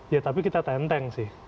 ya tapi kita tenteng sih